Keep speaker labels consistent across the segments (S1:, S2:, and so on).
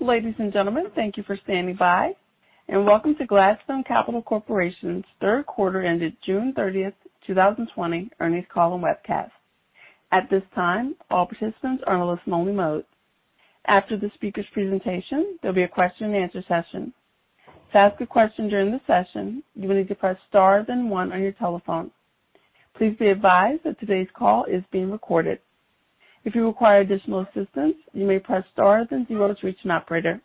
S1: Ladies and gentlemen, thank you for standing by and welcome to Gladstone Capital Corporation's third quarter ended June 30th, 2020 earnings call and webcast. At this time, all participants are in listen-only mode. After the speaker's presentation, there will be a question-and-answer session. To ask a question during the session, you will need to press star then one on your telephone. Please be advised that today's call is being recorded. If you require additional assistance, you may press star then zero to reach an operator.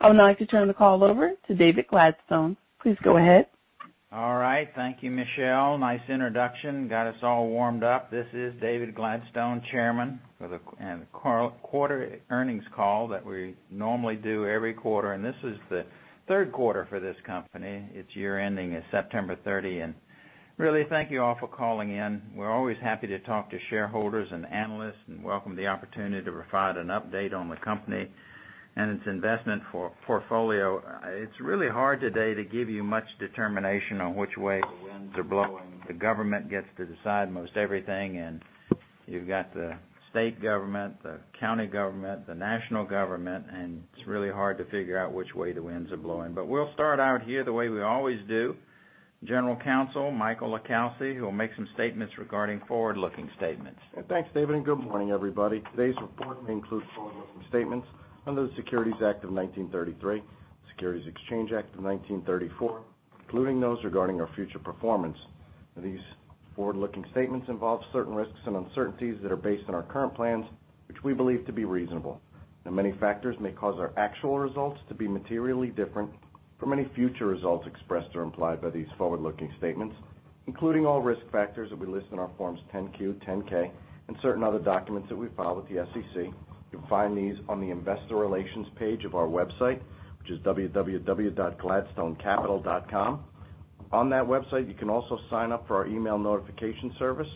S1: I would now like to turn the call over to David Gladstone. Please go ahead.
S2: All right. Thank you, Michelle. Nice introduction. Got us all warmed up. This is David Gladstone, Chairman, for the quarter earnings call that we normally do every quarter, and this is the third quarter for this company. Its year-ending is September 30. Really, thank you all for calling in. We're always happy to talk to shareholders and analysts and welcome the opportunity to provide an update on the company and its investment portfolio. It's really hard today to give you much determination on which way the winds are blowing. The government gets to decide most everything. You've got the state government, the county government, the national government, it's really hard to figure out which way the winds are blowing. We'll start out here the way we always do. General Counsel, Michael LiCalsi, who will make some statements regarding forward-looking statements.
S3: Thanks, David. Good morning, everybody. Today's report may include forward-looking statements under the Securities Act of 1933, Securities Exchange Act of 1934, including those regarding our future performance. These forward-looking statements involve certain risks and uncertainties that are based on our current plans, which we believe to be reasonable. Many factors may cause our actual results to be materially different from any future results expressed or implied by these forward-looking statements, including all risk factors that we list in our forms 10-Q, 10-K, and certain other documents that we file with the SEC. You can find these on the investor relations page of our website, which is www.gladstonecapital.com. On that website, you can also sign up for our email notification service.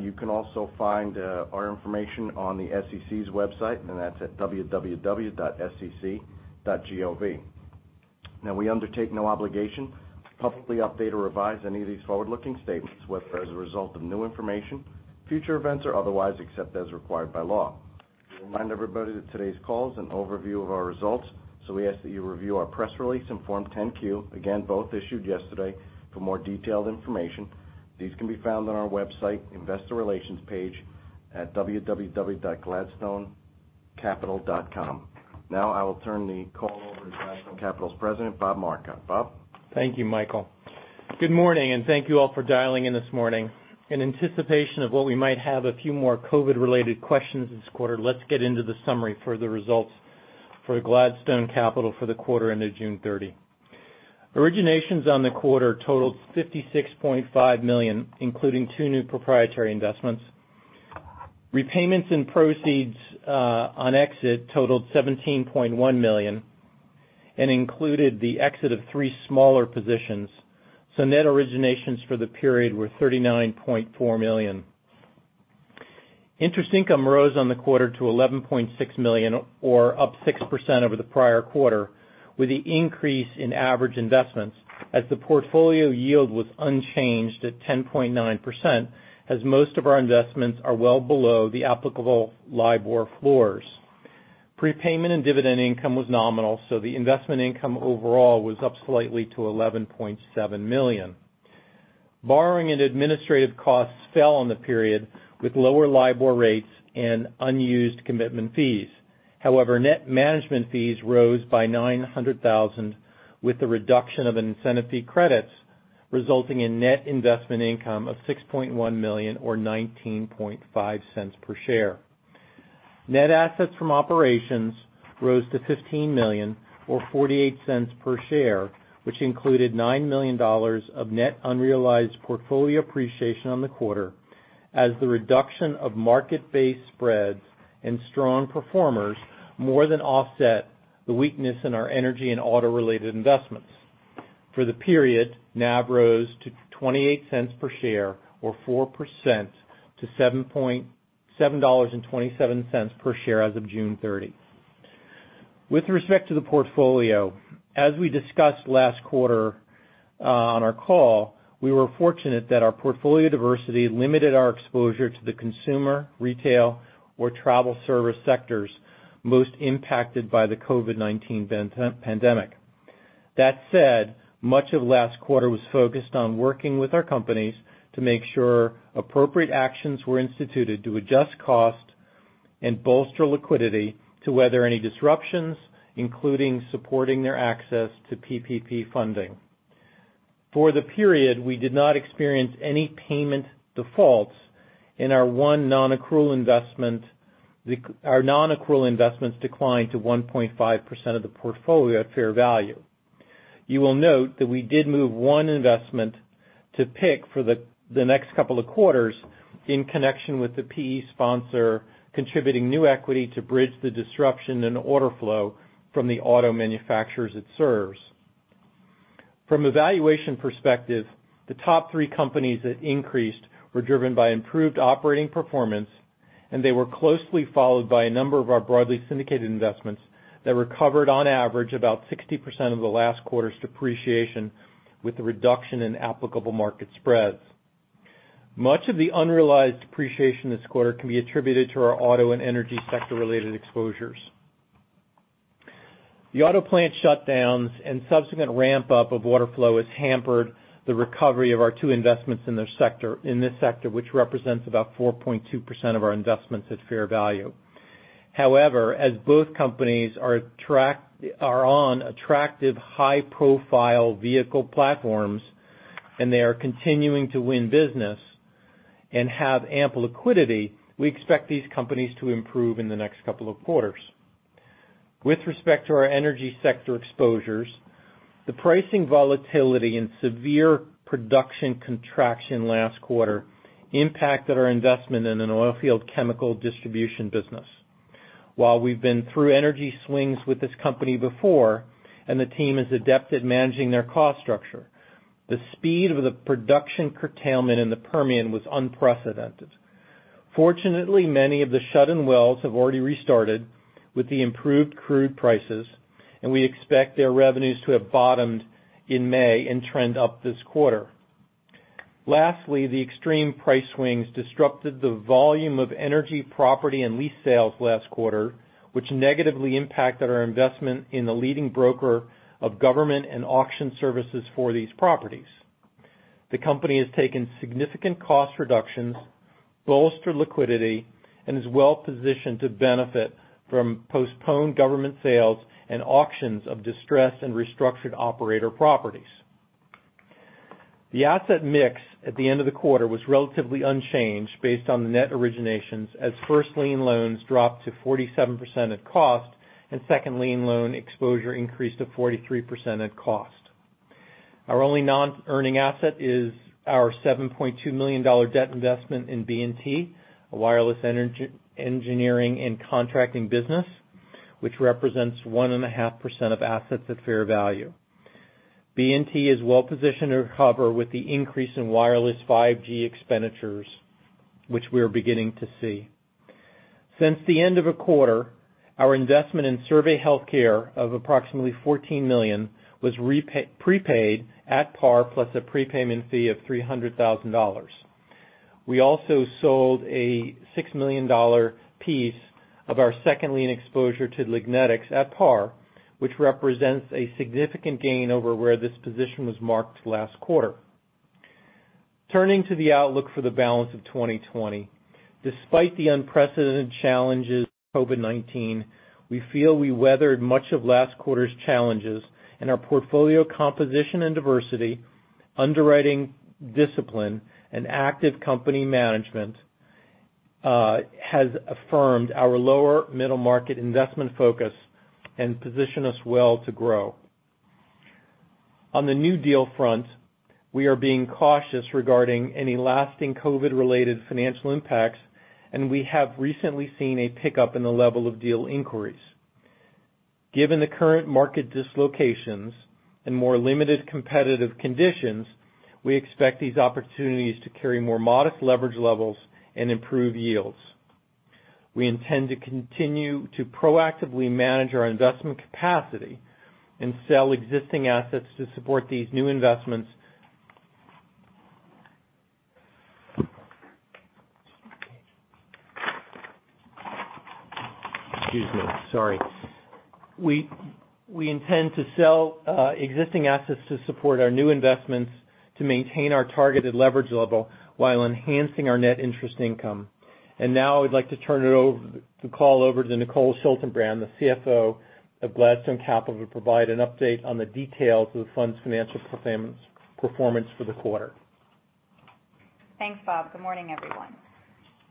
S3: You can also find our information on the SEC's website, and that's at www.sec.gov. We undertake no obligation to publicly update or revise any of these forward-looking statements, whether as a result of new information, future events, or otherwise, except as required by law. To remind everybody that today's call is an overview of our results, so we ask that you review our press release and Form 10-Q, again, both issued yesterday, for more detailed information. These can be found on our website investor relations page at www.gladstonecapital.com. I will turn the call over to Gladstone Capital's President, Bob Marcotte. Bob?
S4: Thank you, Michael. Good morning. Thank you all for dialing in this morning. In anticipation of what we might have a few more COVID-related questions this quarter, let's get into the summary for the results for Gladstone Capital for the quarter ended June 30. Originations on the quarter totaled $56.5 million, including two new proprietary investments. Repayments and proceeds on exit totaled $17.1 million and included the exit of three smaller positions. Net originations for the period were $39.4 million. Interest income rose on the quarter to $11.6 million or up 6% over the prior quarter, with the increase in average investments as the portfolio yield was unchanged at 10.9% as most of our investments are well below the applicable LIBOR floors. Prepayment and dividend income was nominal. The investment income overall was up slightly to $11.7 million. Borrowing and administrative costs fell on the period with lower LIBOR rates and unused commitment fees. Net management fees rose by $900,000 with the reduction of incentive fee credits, resulting in net investment income of $6.1 million or $0.195 per share. Net assets from operations rose to $15 million or $0.48 per share, which included $9 million of net unrealized portfolio appreciation on the quarter as the reduction of market-based spreads and strong performers more than offset the weakness in our energy and auto-related investments. For the period, NAV rose to $0.28 per share or 4% to $7.27 per share as of June 30. With respect to the portfolio, as we discussed last quarter on our call, we were fortunate that our portfolio diversity limited our exposure to the consumer, retail, or travel service sectors most impacted by the COVID-19 pandemic. That said, much of last quarter was focused on working with our companies to make sure appropriate actions were instituted to adjust cost and bolster liquidity to weather any disruptions, including supporting their access to PPP funding. For the period, we did not experience any payment defaults. In our one non-accrual investment, our non-accrual investments declined to 1.5% of the portfolio at fair value. You will note that we did move one investment to PIK for the next couple of quarters in connection with the PE sponsor contributing new equity to bridge the disruption in order flow from the auto manufacturers it serves. From a valuation perspective, the top three companies that increased were driven by improved operating performance, and they were closely followed by a number of our broadly syndicated investments that recovered on average about 60% of the last quarter's depreciation with the reduction in applicable market spreads. Much of the unrealized depreciation this quarter can be attributed to our auto and energy sector-related exposures. The auto plant shutdowns and subsequent ramp-up of order flow has hampered the recovery of our two investments in this sector, which represents about 4.2% of our investments at fair value. However, as both companies are on attractive high-profile vehicle platforms and they are continuing to win business and have ample liquidity, we expect these companies to improve in the next couple of quarters. With respect to our energy sector exposures, the pricing volatility and severe production contraction last quarter impacted our investment in an oil field chemical distribution business. While we've been through energy swings with this company before, and the team is adept at managing their cost structure, the speed of the production curtailment in the Permian was unprecedented. Fortunately, many of the shut-in wells have already restarted with the improved crude prices, and we expect their revenues to have bottomed in May and trend up this quarter. Lastly, the extreme price swings disrupted the volume of energy property and lease sales last quarter, which negatively impacted our investment in the leading broker of government and auction services for these properties. The company has taken significant cost reductions, bolstered liquidity, and is well positioned to benefit from postponed government sales and auctions of distressed and restructured operator properties. The asset mix at the end of the quarter was relatively unchanged based on the net originations, as first lien loans dropped to 47% at cost, and second lien loan exposure increased to 43% at cost. Our only non-earning asset is our $7.2 million debt investment in B+T, a wireless engineering and contracting business, which represents 1.5% of assets at fair value. B+T is well positioned to recover with the increase in wireless 5G expenditures, which we are beginning to see. Since the end of the quarter, our investment in Survey Healthcare of approximately $14 million was prepaid at par plus a prepayment fee of $300,000. We also sold a $6 million piece of our second lien exposure to Lignetics at par, which represents a significant gain over where this position was marked last quarter. Turning to the outlook for the balance of 2020. Despite the unprecedented challenges of COVID-19, we feel we weathered much of last quarter's challenges, and our portfolio composition and diversity, underwriting discipline, and active company management has affirmed our lower middle-market investment focus and position us well to grow. On the new deal front, we are being cautious regarding any lasting COVID-related financial impacts, and we have recently seen a pickup in the level of deal inquiries. Given the current market dislocations and more limited competitive conditions, we expect these opportunities to carry more modest leverage levels and improve yields. We intend to continue to proactively manage our investment capacity and sell existing assets to support these new investments. Excuse me. Sorry. We intend to sell existing assets to support our new investments to maintain our targeted leverage level while enhancing our net interest income. Now I would like to turn the call over to Nicole Schaltenbrand, the CFO of Gladstone Capital, to provide an update on the details of the fund's financial performance for the quarter.
S5: Thanks, Bob. Good morning, everyone.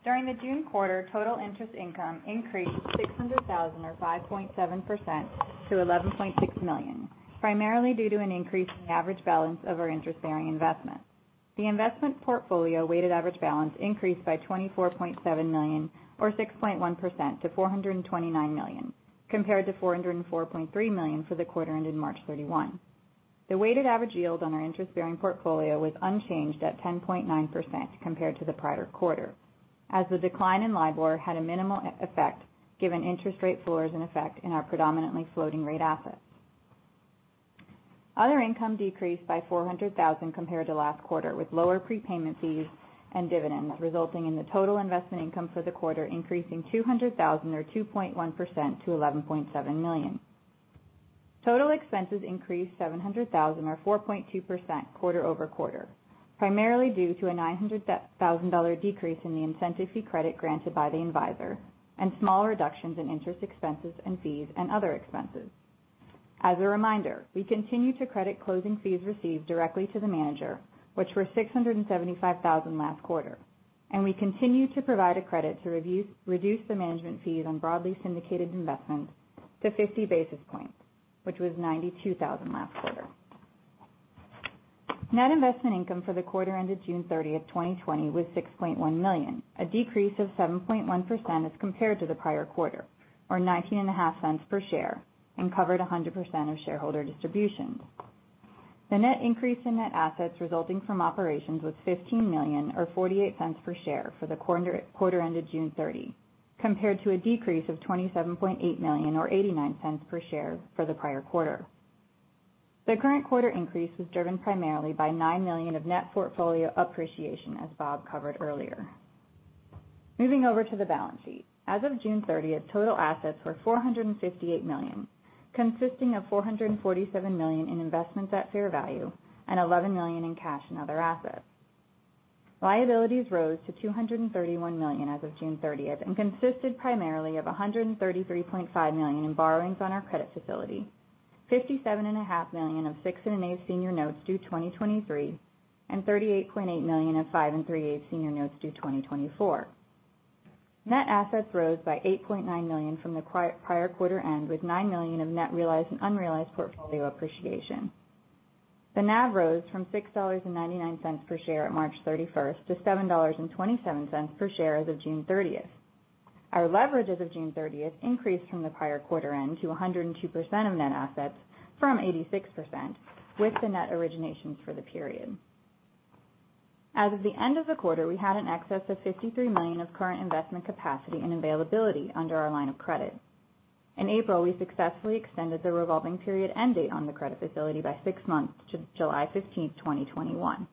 S5: During the June quarter, total interest income increased $600,000 or 5.7% to $11.6 million, primarily due to an increase in the average balance of our interest-bearing investment. The investment portfolio weighted average balance increased by $24.7 million or 6.1% to $429 million, compared to $404.3 million for the quarter ended March 31. The weighted average yield on our interest-bearing portfolio was unchanged at 10.9% compared to the prior quarter, as the decline in LIBOR had a minimal effect given interest rate floors in effect in our predominantly floating rate assets. Other income decreased by $400,000 compared to last quarter, with lower prepayment fees and dividend, resulting in the total investment income for the quarter increasing $200,000 or 2.1% to $11.7 million. Total expenses increased $700,000 or 4.2% quarter-over-quarter, primarily due to a $900,000 decrease in the incentive fee credit granted by the advisor and small reductions in interest expenses and fees and other expenses. As a reminder, we continue to credit closing fees received directly to the manager, which were $675,000 last quarter, and we continue to provide a credit to reduce the management fees on broadly syndicated investments to 50 basis points, which was $92,000 last quarter. Net investment income for the quarter ended June 30, 2020, was $6.1 million, a decrease of 7.1% as compared to the prior quarter, or $0.195 per share and covered 100% of shareholder distributions. The net increase in net assets resulting from operations was $15 million or $0.48 per share for the quarter ended June 30, compared to a decrease of $27.8 million or $0.89 per share for the prior quarter. The current quarter increase was driven primarily by $9 million of net portfolio appreciation, as Bob covered earlier. Moving over to the balance sheet. As of June 30th, total assets were $458 million, consisting of $447 million in investments at fair value and $11 million in cash and other assets. Liabilities rose to $231 million as of June 30th, and consisted primarily of $133.5 million in borrowings on our credit facility, $57.5 million of 6.875% senior notes due 2023, and $38.8 million of 5.875% senior notes due 2024. Net assets rose by $8.9 million from the prior quarter end, with $9 million of net realized and unrealized portfolio appreciation. The NAV rose from $6.99 per share at March 31st to $7.27 per share as of June 30th. Our leverage as of June 30th increased from the prior quarter end to 102% of net assets from 86%, with the net originations for the period. As of the end of the quarter, we had an excess of $53 million of current investment capacity and availability under our line of credit. In April, we successfully extended the revolving period end date on the credit facility by six months to July 15th, 2021.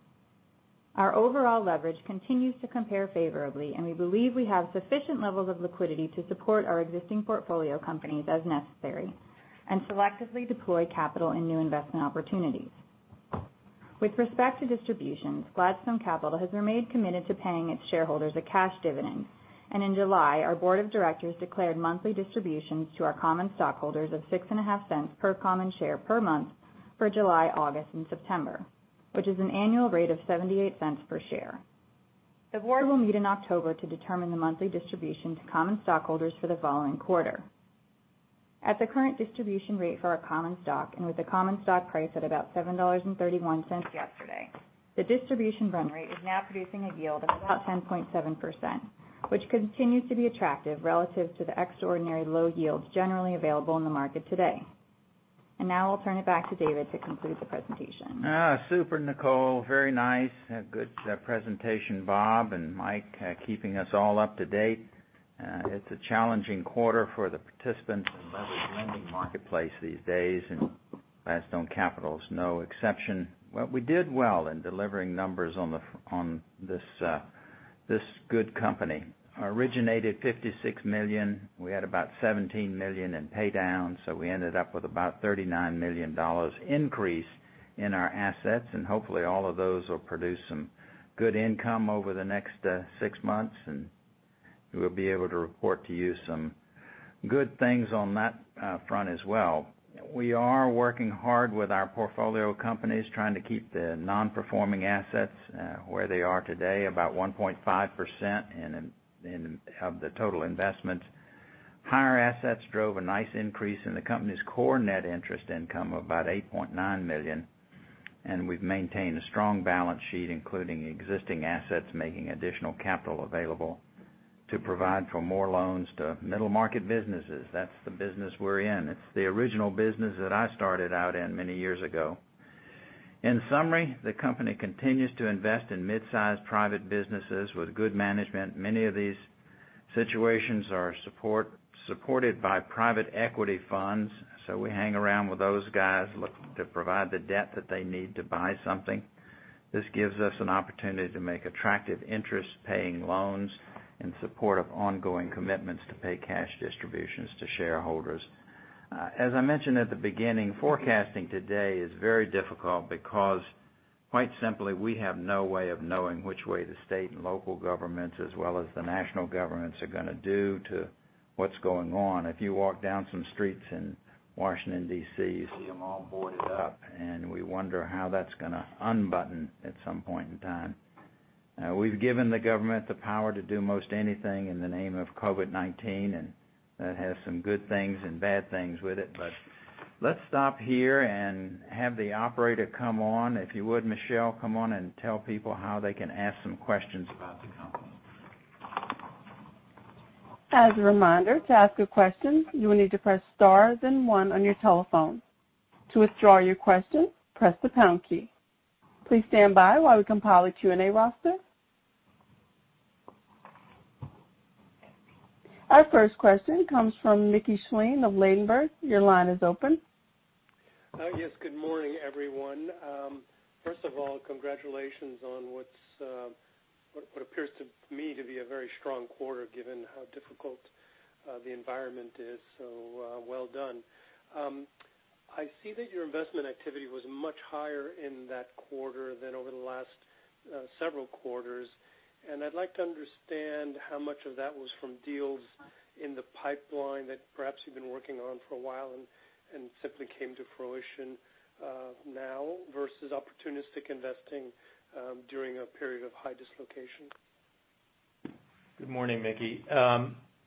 S5: Our overall leverage continues to compare favorably, and we believe we have sufficient levels of liquidity to support our existing portfolio companies as necessary and selectively deploy capital in new investment opportunities. With respect to distributions, Gladstone Capital has remained committed to paying its shareholders a cash dividend. In July, our Board of Directors declared monthly distributions to our common stockholders of $0.065 per common share per month for July, August, and September, which is an annual rate of $0.78 per share. The board will meet in October to determine the monthly distribution to common stockholders for the following quarter. At the current distribution rate for our common stock with the common stock price at about $7.31 yesterday, the distribution run rate is now producing a yield of about 10.7%, which continues to be attractive relative to the extraordinary low yields generally available in the market today. Now I'll turn it back to David to conclude the presentation.
S2: Super, Nicole. Very nice. Good presentation, Bob and Mike, keeping us all up to date. It's a challenging quarter for the participants in the lending marketplace these days, and Gladstone Capital is no exception. Well, we did well in delivering numbers on this good company. Originated $56 million. We had about $17 million in pay downs, so we ended up with about $39 million increase in our assets, and hopefully all of those will produce some good income over the next six months, and we'll be able to report to you some good things on that front as well. We are working hard with our portfolio companies, trying to keep the non-performing assets where they are today, about 1.5% of the total investment. Higher assets drove a nice increase in the company's core net interest income of about $8.9 million, and we've maintained a strong balance sheet, including existing assets, making additional capital available to provide for more loans to middle-market businesses. That's the business we're in. It's the original business that I started out in many years ago. In summary, the company continues to invest in mid-sized private businesses with good management. Many of these situations are supported by private equity funds, we hang around with those guys, looking to provide the debt that they need to buy something. This gives us an opportunity to make attractive interest-paying loans in support of ongoing commitments to pay cash distributions to shareholders. As I mentioned at the beginning, forecasting today is very difficult because quite simply, we have no way of knowing which way the state and local governments, as well as the national governments, are going to do to what's going on. If you walk down some streets in Washington, D.C., you see them all boarded up, and we wonder how that's going to unbutton at some point in time. We've given the government the power to do most anything in the name of COVID-19, and that has some good things and bad things with it. Let's stop here and have the operator come on. If you would, Michelle, come on and tell people how they can ask some questions about the company.
S1: As a reminder, to ask a question, you will need to press star, then one on your telephone. To withdraw your question, press the pound key. Please stand by while we compile a Q&A roster. Our first question comes from Mickey Schleien of Ladenburg. Your line is open.
S6: Yes. Good morning, everyone. First of all, congratulations on what appears to me to be a very strong quarter, given how difficult the environment is, so well done. I see that your investment activity was much higher in that quarter than over the last several quarters, and I'd like to understand how much of that was from deals in the pipeline that perhaps you've been working on for a while and simply came to fruition now versus opportunistic investing during a period of high dislocation.
S4: Good morning, Mickey.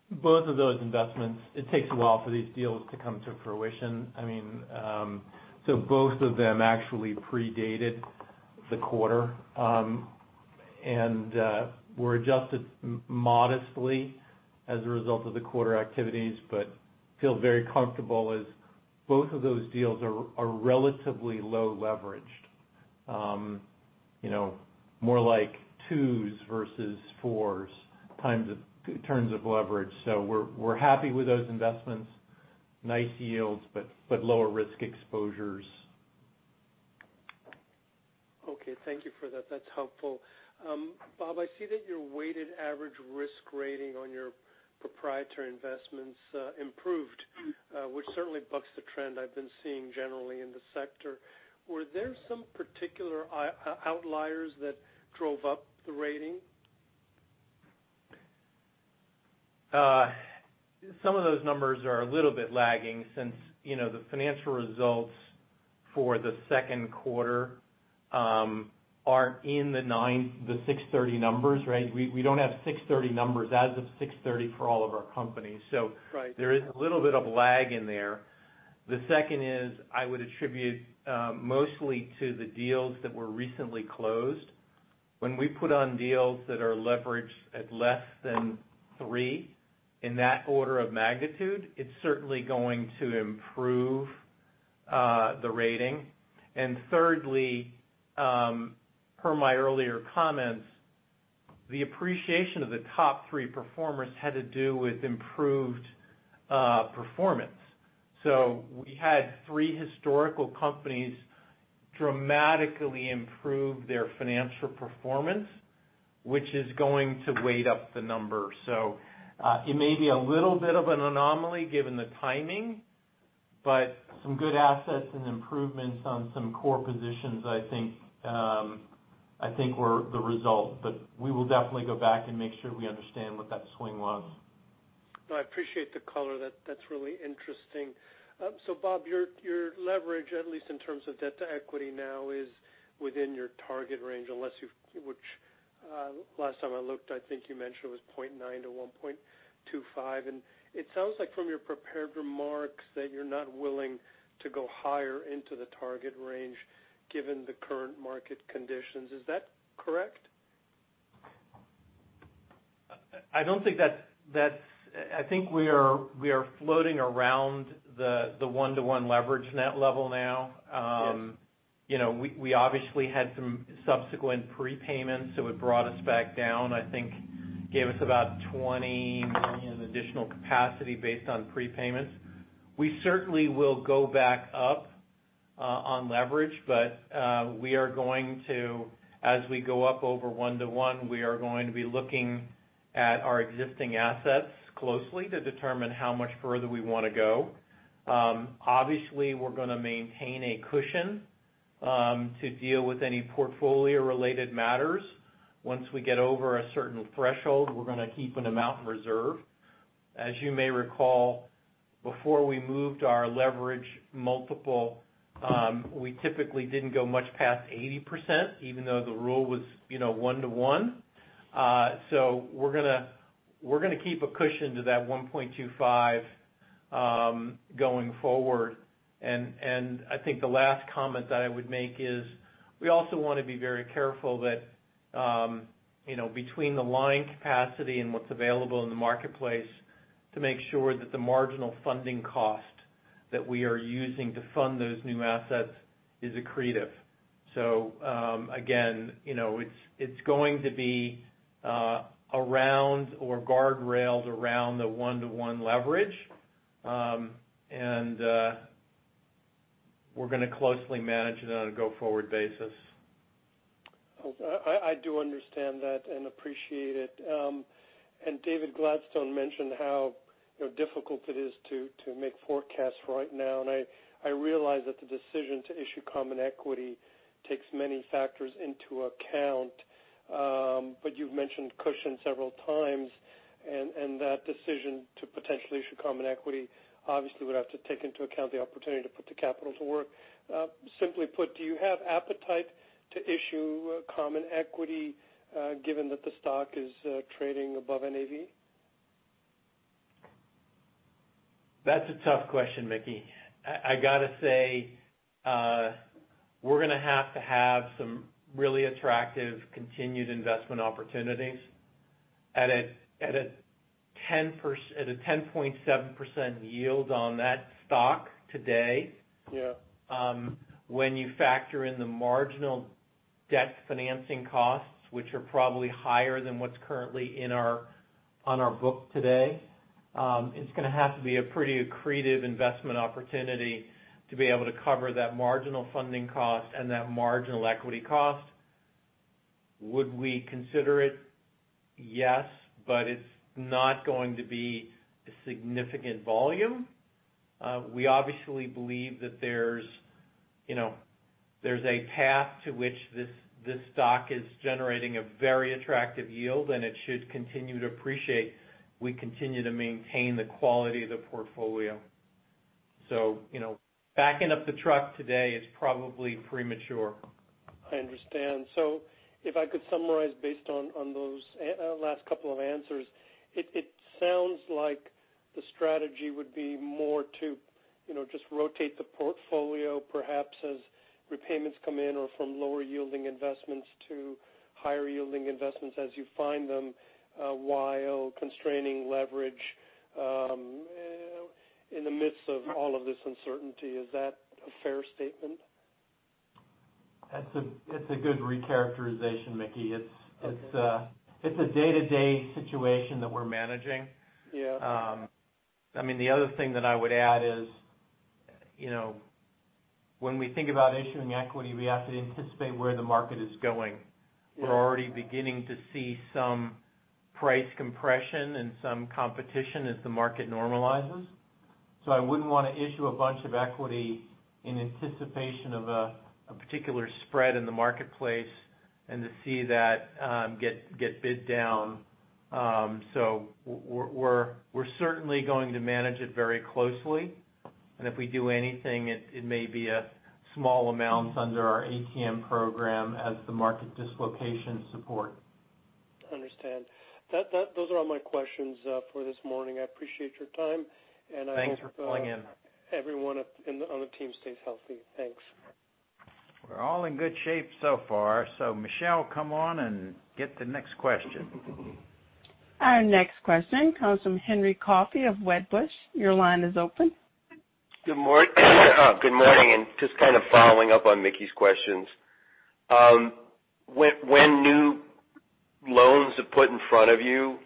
S4: Both of those investments, it takes a while for these deals to come to fruition. Both of them actually predated the quarter, and were adjusted modestly as a result of the quarter activities, but feel very comfortable as both of those deals are relatively low leveraged. More like 2s versus 4s times of terms of leverage. We're happy with those investments. Nice yields, but lower risk exposures.
S6: Okay. Thank you for that. That's helpful. Bob, I see that your weighted average risk rating on your proprietary investments improved, which certainly bucks the trend I've been seeing generally in the sector. Were there some particular outliers that drove up the rating?
S4: Some of those numbers are a little bit lagging since the financial results for the second quarter aren't in the 6/30 numbers, right? We don't have 6/30 numbers as of 6/30 for all of our companies.
S6: Right.
S4: There is a little bit of lag in there. The second is I would attribute mostly to the deals that were recently closed. When we put on deals that are leveraged at less than three, in that order of magnitude, it's certainly going to improve the rating. Thirdly, per my earlier comments, the appreciation of the top three performers had to do with improved performance. We had three historical companies dramatically improve their financial performance, which is going to weight up the number. It may be a little bit of an anomaly given the timing, but some good assets and improvements on some core positions I think were the result. We will definitely go back and make sure we understand what that swing was.
S6: No, I appreciate the color. That's really interesting. Bob, your leverage, at least in terms of debt to equity now is within your target range. Last time I looked, I think you mentioned it was 0.9x-1.25x. It sounds like from your prepared remarks that you're not willing to go higher into the target range given the current market conditions. Is that correct?
S4: I think we are floating around the 1x-1x leverage net level now.
S6: Yes.
S4: We obviously had some subsequent prepayments. It brought us back down. I think gave us about $20 million additional capacity based on prepayments. We certainly will go back up on leverage. As we go up over 1x-1x, we are going to be looking at our existing assets closely to determine how much further we want to go. Obviously, we're going to maintain a cushion to deal with any portfolio-related matters. Once we get over a certain threshold, we're going to keep an amount reserved. As you may recall, before we moved our leverage multiple, we typically didn't go much past 80%, even though the rule was 1x-1x. We're going to keep a cushion to that 1.25x going forward. I think the last comment that I would make is we also want to be very careful that between the line capacity and what's available in the marketplace to make sure that the marginal funding cost that we are using to fund those new assets is accretive. Again, it's going to be around or guardrails around the 1x-1x leverage. We're going to closely manage it on a go-forward basis.
S6: I do understand that and appreciate it. David Gladstone mentioned how difficult it is to make forecasts right now. I realize that the decision to issue common equity takes many factors into account. You've mentioned cushion several times, and that decision to potentially issue common equity obviously would have to take into account the opportunity to put the capital to work. Simply put, do you have appetite to issue common equity given that the stock is trading above NAV?
S4: That's a tough question, Mickey. I got to say, we're going to have to have some really attractive continued investment opportunities at a 10.7% yield on that stock today.
S6: Yeah.
S4: When you factor in the marginal debt financing costs, which are probably higher than what's currently on our book today, it's going to have to be a pretty accretive investment opportunity to be able to cover that marginal funding cost and that marginal equity cost. Would we consider it? Yes, but it's not going to be a significant volume. We obviously believe that there's a path to which this stock is generating a very attractive yield, and it should continue to appreciate. We continue to maintain the quality of the portfolio. Backing up the truck today is probably premature.
S6: I understand. If I could summarize based on those last couple of answers. It sounds like the strategy would be more to just rotate the portfolio perhaps as repayments come in or from lower-yielding investments to higher-yielding investments as you find them while constraining leverage and in the midst of all of this uncertainty. Is that a fair statement?
S4: That's a good recharacterization, Mickey.
S6: Okay.
S4: It's a day-to-day situation that we're managing.
S6: Yeah.
S4: The other thing that I would add is, when we think about issuing equity, we have to anticipate where the market is going.
S6: Yeah.
S4: We're already beginning to see some price compression and some competition as the market normalizes. I wouldn't want to issue a bunch of equity in anticipation of a particular spread in the marketplace and to see that get bid down. We're certainly going to manage it very closely. If we do anything, it may be small amounts under our ATM program as the market dislocation support.
S6: Understand. Those are all my questions for this morning. I appreciate your time.
S4: Thanks for calling in.
S6: I hope everyone on the team stays healthy. Thanks.
S3: We're all in good shape so far. Michelle, come on and get the next question.
S1: Our next question comes from Henry Coffey of Wedbush. Your line is open.
S7: Good morning, just kind of following up on Mickey's questions. When new loans are put in front of you,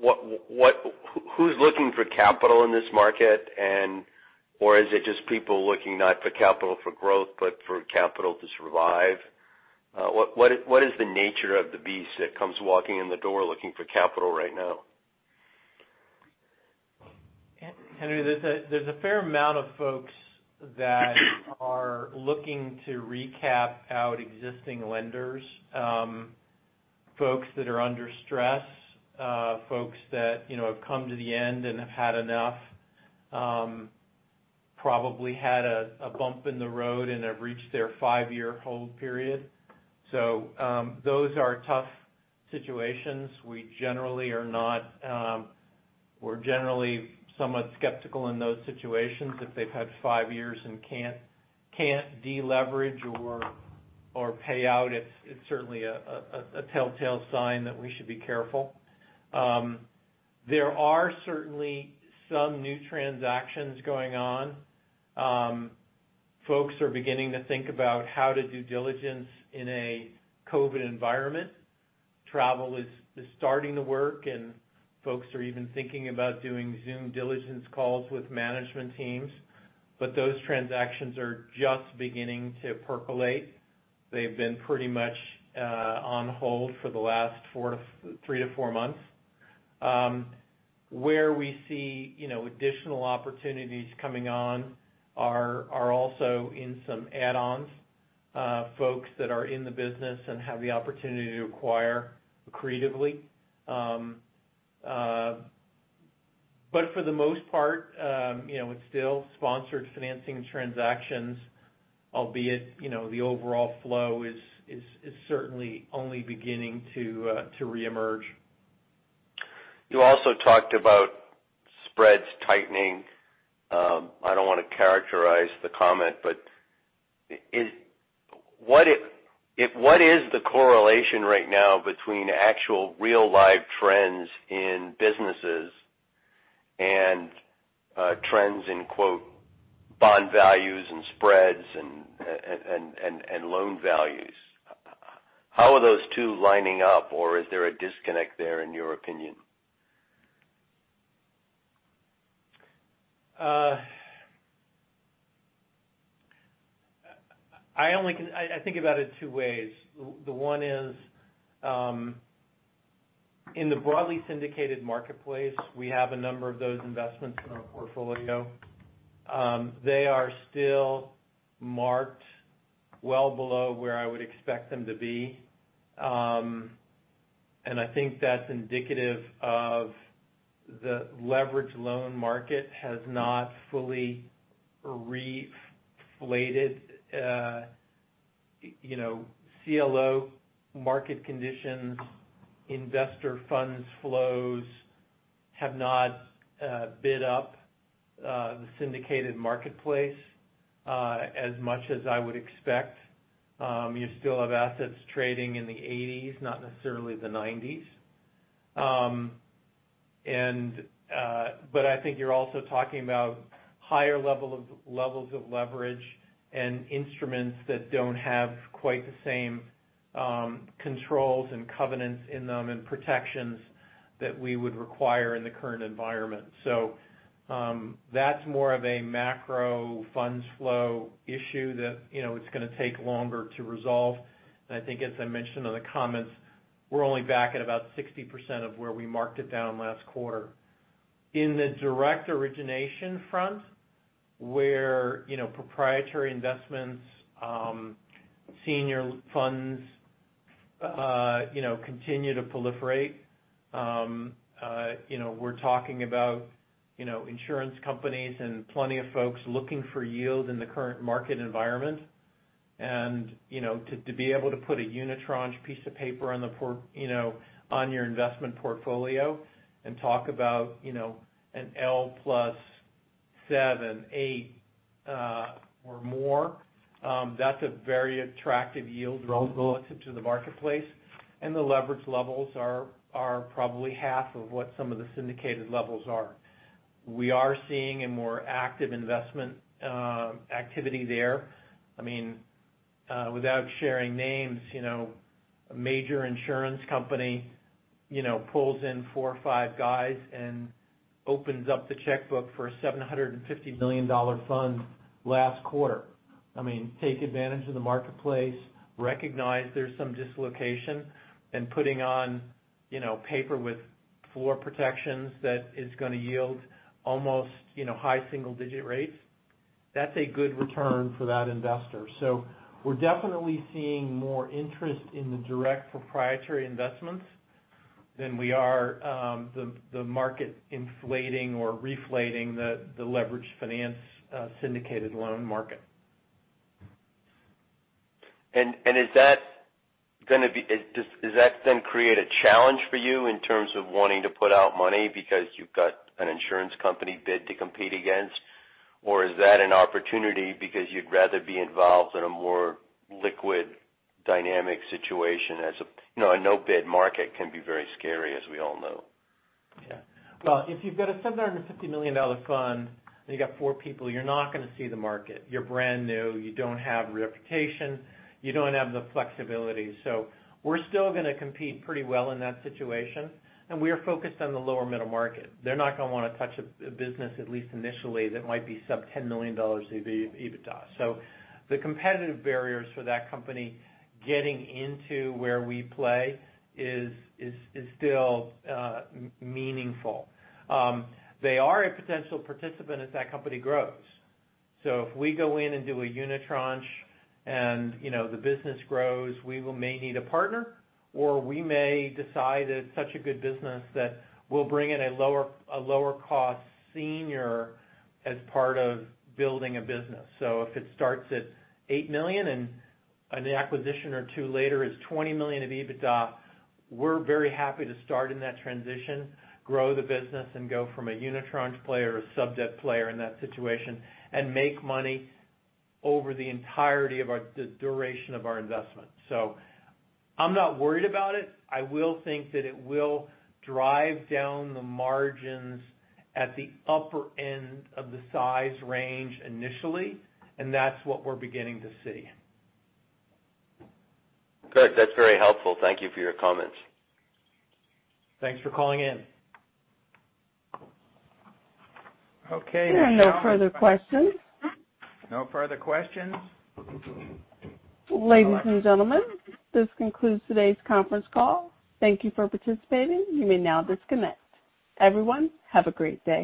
S7: who's looking for capital in this market? Is it just people looking not for capital for growth, but for capital to survive? What is the nature of the beast that comes walking in the door looking for capital right now?
S4: Henry, there's a fair amount of folks that are looking to recap out existing lenders. Folks that are under stress. Folks that have come to the end and have had enough. Probably had a bump in the road and have reached their five-year hold period. Those are tough situations. We're generally somewhat skeptical in those situations. If they've had five years and can't de-leverage or payout, it's certainly a telltale sign that we should be careful. There are certainly some new transactions going on. Folks are beginning to think about how to do diligence in a COVID environment. Travel is starting to work, and folks are even thinking about doing Zoom diligence calls with management teams. Those transactions are just beginning to percolate. They've been pretty much on hold for the last three to four months. Where we see additional opportunities coming on are also in some add-ons. Folks that are in the business and have the opportunity to acquire creatively. For the most part, it's still sponsored financing transactions, albeit the overall flow is certainly only beginning to reemerge.
S7: You also talked about spreads tightening. I don't want to characterize the comment, but what is the correlation right now between actual real-life trends in businesses and trends in, quote, "bond values and spreads and loan values?" How are those two lining up, or is there a disconnect there in your opinion?
S4: I think about it two ways. The one is, in the broadly syndicated marketplace, we have a number of those investments in our portfolio. They are still marked well below where I would expect them to be. I think that's indicative of the leverage loan market has not fully re-inflated. CLO market conditions, investor funds flows have not bid up the syndicated marketplace as much as I would expect. You still have assets trading in the 80s, not necessarily the 90s. I think you're also talking about higher levels of leverage and instruments that don't have quite the same controls and covenants in them and protections that we would require in the current environment. That's more of a macro funds flow issue that it's going to take longer to resolve. I think as I mentioned in the comments, we're only back at about 60% of where we marked it down last quarter. In the direct origination front, where proprietary investments, senior funds continue to proliferate. We're talking about insurance companies and plenty of folks looking for yield in the current market environment, to be able to put a unitranche piece of paper on your investment portfolio and talk about an L+7, eight, or more. That's a very attractive yield relative to the marketplace, and the leverage levels are probably 1/2 of what some of the syndicated levels are. We are seeing a more active investment activity there. Without sharing names, a major insurance company pulls in four or five guys and opens up the checkbook for a $750 million fund last quarter. Take advantage of the marketplace, recognize there's some dislocation, and putting on paper with floor protections that is going to yield almost high single-digit rates. That's a good return for that investor. We're definitely seeing more interest in the direct proprietary investments than we are the market inflating or reflating the leverage finance syndicated loan market.
S7: Does that then create a challenge for you in terms of wanting to put out money because you've got an insurance company bid to compete against? Is that an opportunity because you'd rather be involved in a more liquid dynamic situation as a no-bid market can be very scary, as we all know.
S4: If you've got a $750 million fund and you've got four people, you're not going to see the market. You're brand new. You don't have reputation. You don't have the flexibility. We're still going to compete pretty well in that situation, and we are focused on the lower middle market. They're not going to want to touch a business, at least initially, that might be sub $10 million of EBITDA. The competitive barriers for that company getting into where we play is still meaningful. They are a potential participant as that company grows. If we go in and do a unitranche and the business grows, we will may need a partner, or we may decide it's such a good business that we'll bring in a lower cost senior as part of building a business. If it starts at $8 million and an acquisition or two later is $20 million of EBITDA, we're very happy to start in that transition, grow the business, and go from a unitranche player or a sub-debt player in that situation and make money over the entirety of the duration of our investment. I'm not worried about it. I will think that it will drive down the margins at the upper end of the size range initially, and that's what we're beginning to see.
S7: Good. That's very helpful. Thank you for your comments.
S4: Thanks for calling in. Okay.
S1: There are no further questions.
S3: No further questions.
S1: Ladies and gentlemen, this concludes today's conference call. Thank you for participating. You may now disconnect. Everyone, have a great day.